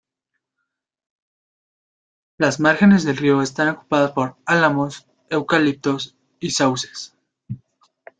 Las márgenes del río están ocupadas por álamos, eucaliptos y sauces.